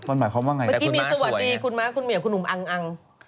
มันหมายความว่าอย่างไรนะครับคุณม่าสวยนะครับแต่เมื่อกี้มีสวัสดีคุณม่าคุณเหมียวคุณหนุ่มอังอัง